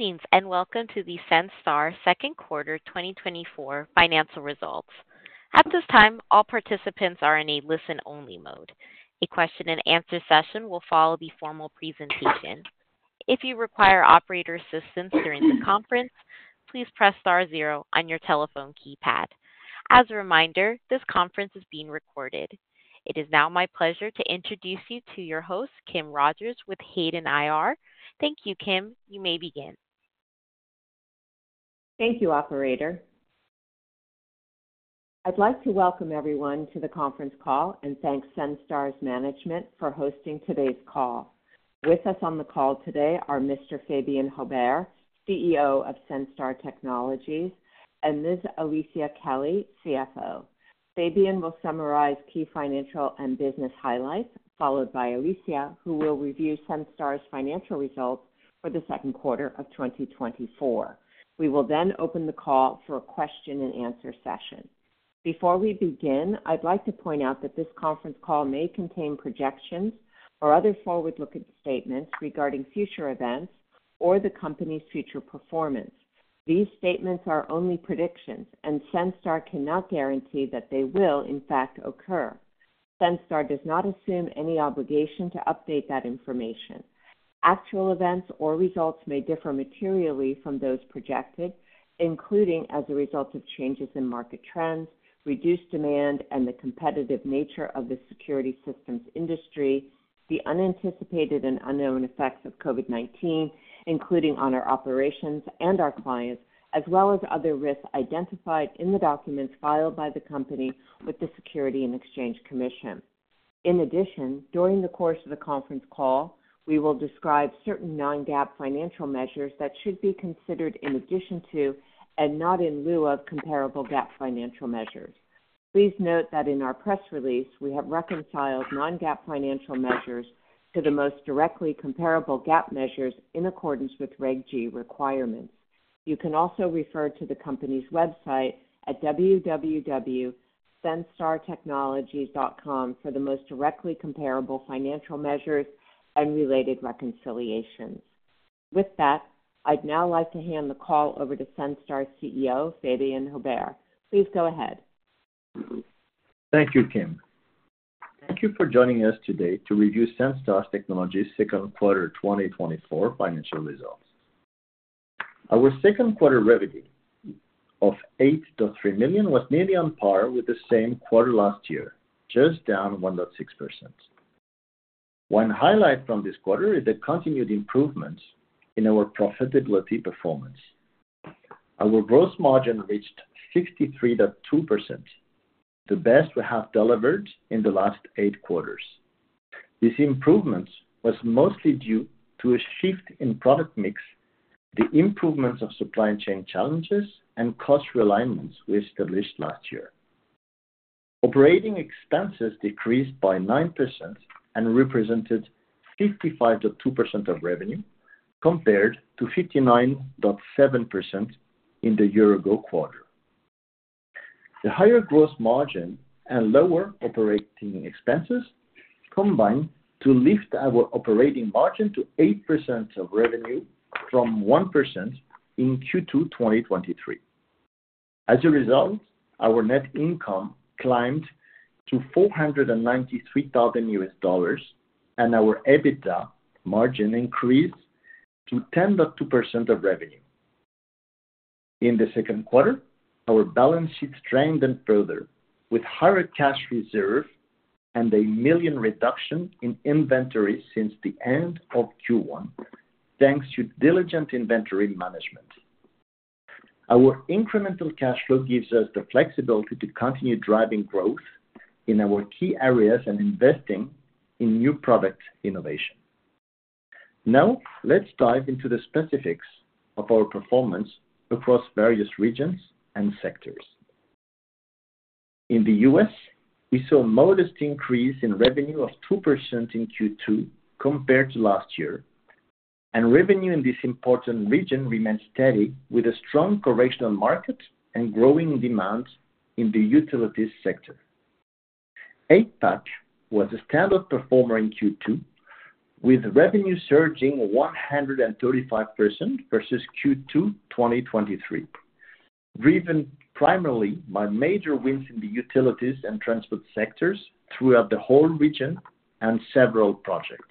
Greetings, and welcome to the Senstar second quarter 2024 financial results. At this time, all participants are in a listen-only mode. A question and answer session will follow the formal presentation. If you require operator assistance during the conference, please press star zero on your telephone keypad. As a reminder, this conference is being recorded. It is now my pleasure to introduce you to your host, Kim Rogers, with Hayden IR. Thank you, Kim. You may begin. Thank you, operator. I'd like to welcome everyone to the conference call and thank Senstar's management for hosting today's call. With us on the call today are Mr. Fabien Haubert, CEO of Senstar Technologies, and Ms. Alicia Kelly, CFO. Fabien will summarize key financial and business highlights, followed by Alicia, who will review Senstar's financial results for the second quarter of 2024. We will then open the call for a question and answer session. Before we begin, I'd like to point out that this conference call may contain projections or other forward-looking statements regarding future events or the company's future performance. These statements are only predictions, and Senstar cannot guarantee that they will, in fact, occur. Senstar does not assume any obligation to update that information. Actual events or results may differ materially from those projected, including as a result of changes in market trends, reduced demand, and the competitive nature of the security systems industry, the unanticipated and unknown effects of COVID-19, including on our operations and our clients, as well as other risks identified in the documents filed by the company with the Securities and Exchange Commission. In addition, during the course of the conference call, we will describe certain non-GAAP financial measures that should be considered in addition to, and not in lieu of, comparable GAAP financial measures. Please note that in our press release, we have reconciled non-GAAP financial measures to the most directly comparable GAAP measures in accordance with Reg G requirements. You can also refer to the company's website at www.senstartechnologies.com for the most directly comparable financial measures and related reconciliations. With that, I'd now like to hand the call over to Senstar's CEO, Fabien Haubert. Please go ahead. Thank you, Kim. Thank you for joining us today to review Senstar Technologies' second quarter 2024 financial results. Our second quarter revenue of $8.3 million was mainly on par with the same quarter last year, just down 1.6%. One highlight from this quarter is the continued improvements in our profitability performance. Our gross margin reached 63.2%, the best we have delivered in the last eight quarters. This improvement was mostly due to a shift in product mix, the improvements of supply chain challenges, and cost realignments we established last year. Operating expenses decreased by 9% and represented 55.2% of revenue, compared to 59.7% in the year-ago quarter. The higher gross margin and lower operating expenses combined to lift our operating margin to 8% of revenue from 1% in Q2 2023. As a result, our net income climbed to $493,000, and our EBITDA margin increased to 10.2% of revenue. In the second quarter, our balance sheet strengthened further, with higher cash reserve and a $1 million reduction in inventory since the end of Q1, thanks to diligent inventory management. Our incremental cash flow gives us the flexibility to continue driving growth in our key areas and investing in new product innovation. Now, let's dive into the specifics of our performance across various regions and sectors. In the U.S., we saw a modest increase in revenue of 2% in Q2 compared to last year, and revenue in this important region remained steady, with a strong correctional market and growing demand in the utilities sector. APAC was a standard performer in Q2, with revenue surging 135% versus Q2 2023, driven primarily by major wins in the utilities and transport sectors throughout the whole region and several projects.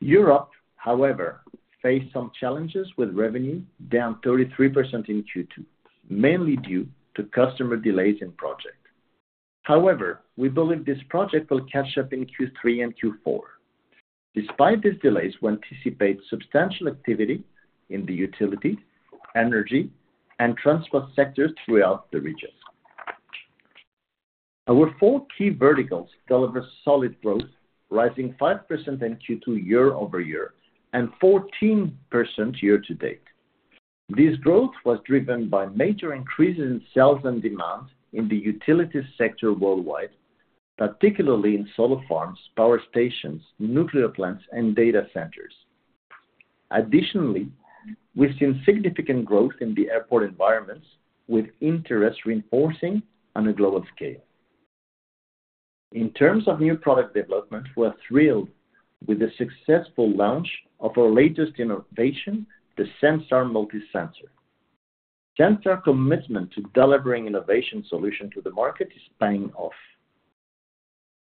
Europe, however, faced some challenges, with revenue down 33% in Q2, mainly due to customer delays in project. However, we believe this project will catch up in Q3 and Q4. Despite these delays, we anticipate substantial activity in the utility, energy, and transport sectors throughout the region. Our four key verticals delivered solid growth, rising 5% in Q2 year-over-year, and 14% year-to-date. This growth was driven by major increases in sales and demand in the utilities sector worldwide, particularly in solar farms, power stations, nuclear plants, and data centers. Additionally, we've seen significant growth in the airport environments, with interest reinforcing on a global scale. In terms of new product development, we're thrilled with the successful launch of our latest innovation, the Senstar MultiSensor. Senstar's commitment to delivering innovative solutions to the market is paying off.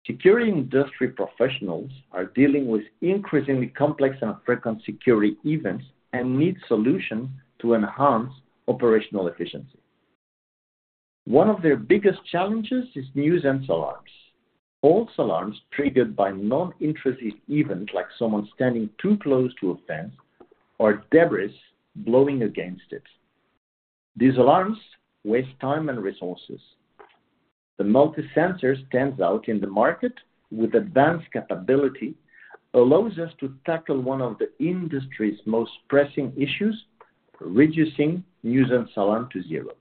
Security industry professionals are dealing with increasingly complex and frequent security events, and need solutions to enhance operational efficiency. One of their biggest challenges is nuisance alarms. False alarms triggered by non-security events, like someone standing too close to a fence or debris blowing against it. These alarms waste time and resources. The MultiSensor stands out in the market with advanced capability, allows us to tackle one of the industry's most pressing issues, reducing nuisance alarms to zero.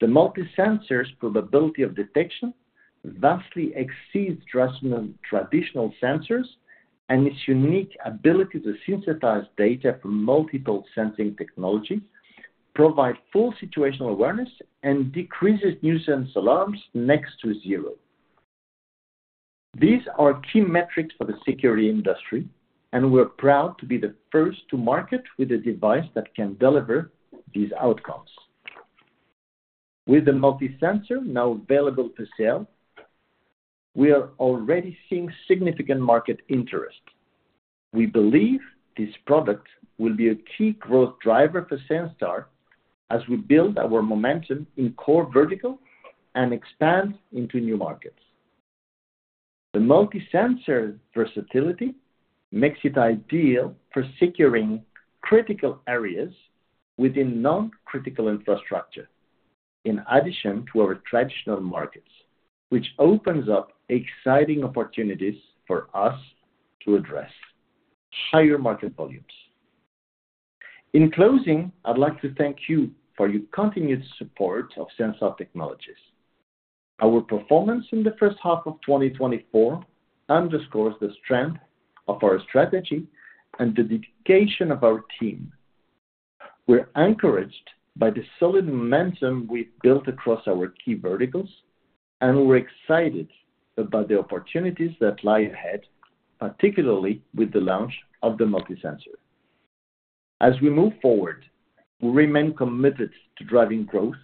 The MultiSensor's probability of detection vastly exceeds traditional sensors, and its unique ability to synthesize data from multiple sensing technologies provide full situational awareness and decreases nuisance alarms next to zero. These are key metrics for the security industry, and we're proud to be the first to market with a device that can deliver these outcomes. With the MultiSensor now available for sale, we are already seeing significant market interest. We believe this product will be a key growth driver for Senstar as we build our momentum in core vertical and expand into new markets. The MultiSensor versatility makes it ideal for securing critical areas within non-critical infrastructure, in addition to our traditional markets, which opens up exciting opportunities for us to address higher market volumes. In closing, I'd like to thank you for your continued support of Senstar Technologies. Our performance in the first half of 2024 underscores the strength of our strategy and the dedication of our team. We're encouraged by the solid momentum we've built across our key verticals, and we're excited about the opportunities that lie ahead, particularly with the launch of the MultiSensor. As we move forward, we remain committed to driving growth,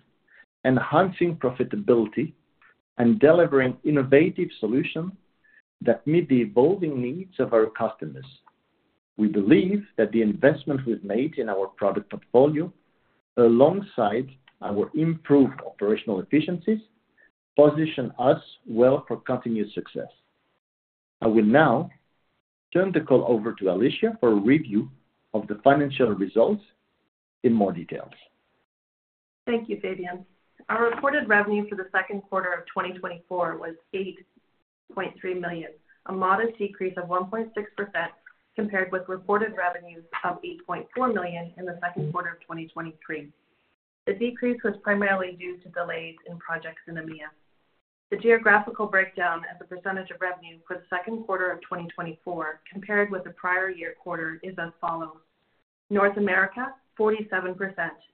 enhancing profitability, and delivering innovative solutions that meet the evolving needs of our customers. We believe that the investment we've made in our product portfolio, alongside our improved operational efficiencies, position us well for continued success. I will now turn the call over to Alicia for a review of the financial results in more details. Thank you, Fabien. Our reported revenue for the second quarter of 2024 was $8.3 million, a modest decrease of 1.6% compared with reported revenues of $8.4 million in the second quarter of 2023. The decrease was primarily due to delays in projects in EMEA. The geographical breakdown as a percentage of revenue for the second quarter of 2024, compared with the prior year quarter, is as follows: North America, 47%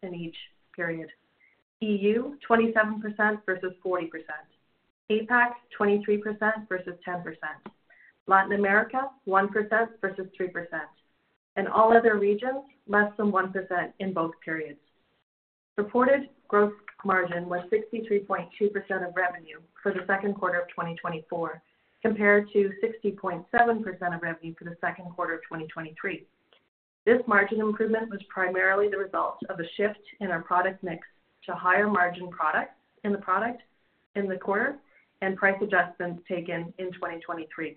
in each period, EU, 27% versus 40%, APAC, 23% versus 10%, Latin America, 1% versus 3%, and all other regions, less than 1% in both periods. Reported gross margin was 63.2% of revenue for the second quarter of 2024, compared to 60.7% of revenue for the second quarter of 2023. This margin improvement was primarily the result of a shift in our product mix to higher margin products in the quarter and price adjustments taken in 2023.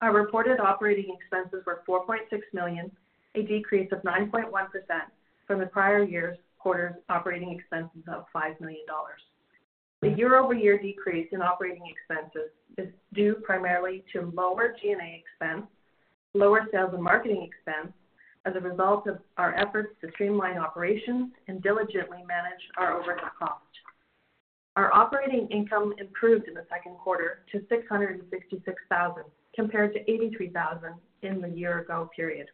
Our reported operating expenses were $4.6 million, a decrease of 9.1% from the prior year's quarter's operating expenses of $5 million. The year-over-year decrease in operating expenses is due primarily to lower G&A expense, lower sales and marketing expense as a result of our efforts to streamline operations and diligently manage our overhead costs. Our operating income improved in the second quarter to $666,000, compared to $83,000 in the year-ago period.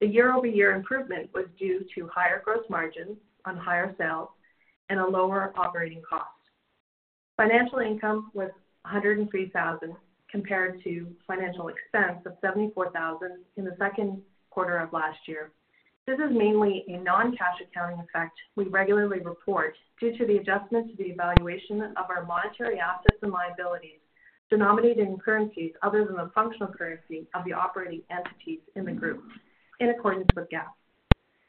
The year-over-year improvement was due to higher gross margins on higher sales and a lower operating cost. Financial income was $103,000, compared to financial expense of $74,000 in the second quarter of last year. This is mainly a non-cash accounting effect we regularly report, due to the adjustment to the evaluation of our monetary assets and liabilities, denominated in currencies other than the functional currency of the operating entities in the group, in accordance with GAAP.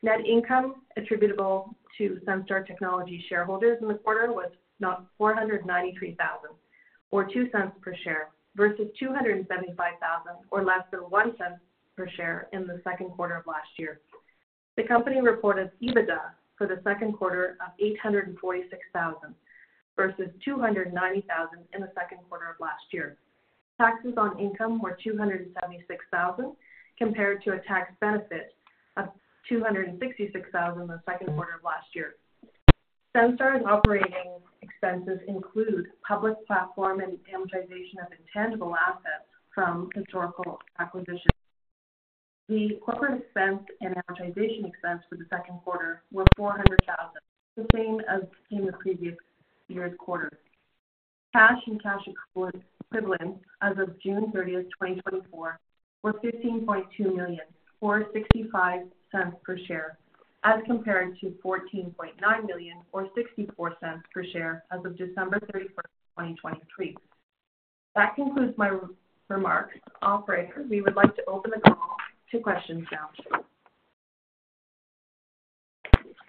Net income attributable to Senstar Technologies shareholders in the quarter was [negative] $493,000, or ($0.02) per share, versus $275,000, or less than $0.01 per share in the second quarter of last year. The company reported EBITDA for the second quarter of $846,000 versus $290,000 in the second quarter of last year. Taxes on income were $276,000, compared to a tax benefit of $266,000 in the second quarter of last year. Senstar's operating expenses include public platform and amortization of intangible assets from historical acquisitions. The corporate expense and amortization expense for the second quarter were $400,000, the same as in the previous year's quarter. Cash and cash equivalents as of June 30, 2024, were $15.2 million, or $0.65 per share, as compared to $14.9 million, or $0.64 per share as of December 31, 2023. That concludes my remarks. Operator, we would like to open the call to questions now.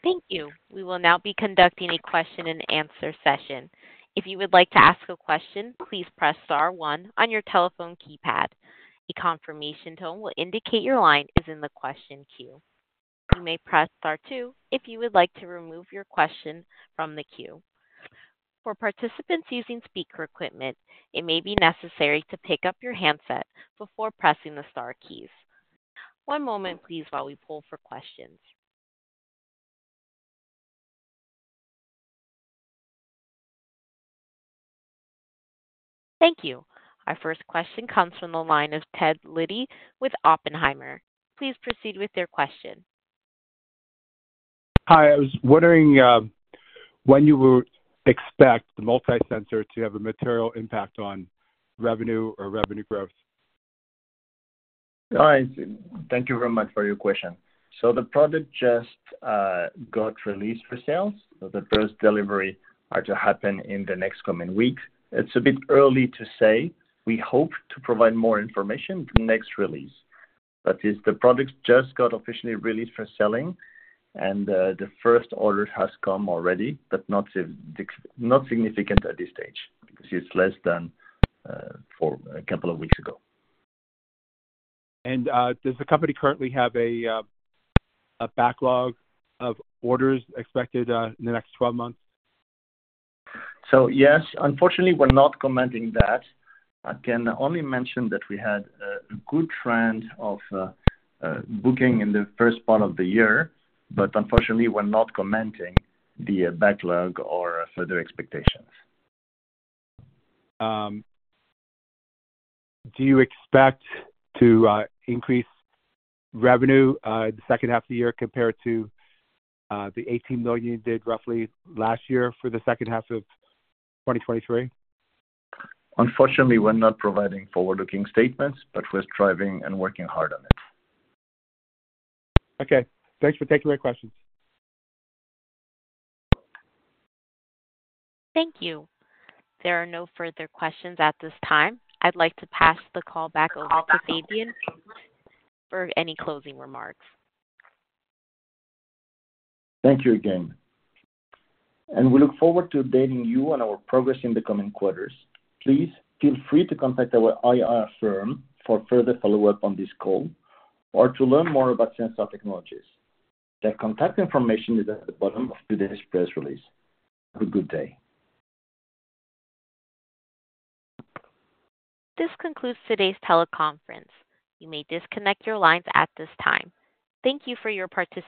Thank you. We will now be conducting a question and answer session. If you would like to ask a question, please press star one on your telephone keypad. A confirmation tone will indicate your line is in the question queue. You may press star two if you would like to remove your question from the queue. For participants using speaker equipment, it may be necessary to pick up your handset before pressing the star keys. One moment please, while we pull for questions. Thank you. Our first question comes from the line of Ted Liddy with Oppenheimer. Please proceed with your question. Hi, I was wondering, when you would expect the MultiSensor to have a material impact on revenue or revenue growth? Hi, thank you very much for your question. So the product just got released for sales. So the first delivery are to happen in the next coming weeks. It's a bit early to say. We hope to provide more information in the next release. But yes, the product just got officially released for selling, and the first order has come already, but not significant at this stage, because it's less than for a couple of weeks ago. Does the company currently have a backlog of orders expected in the next 12 months? So, yes, unfortunately, we're not commenting that. I can only mention that we had a good trend of booking in the first part of the year, but unfortunately, we're not commenting the backlog or further expectations. Do you expect to increase revenue in the second half of the year compared to the $18 million you did roughly last year for the second half of 2023? Unfortunately, we're not providing forward-looking statements, but we're striving and working hard on it. Okay, thanks for taking my questions. Thank you. There are no further questions at this time. I'd like to pass the call back over to Fabien for any closing remarks. Thank you again, and we look forward to updating you on our progress in the coming quarters. Please feel free to contact our IR firm for further follow-up on this call, or to learn more about Senstar Technologies. Their contact information is at the bottom of today's press release. Have a good day. This concludes today's teleconference. You may disconnect your lines at this time. Thank you for your participation.